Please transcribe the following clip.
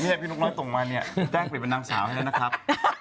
นี่พี่นุ๊กน้อยตรงมาเนี่ยแกล้งเป็นนางสาวให้ด้วยนะครับ